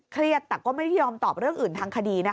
เครียดแต่ก็ไม่ได้ยอมตอบเรื่องอื่นทางคดีนะคะ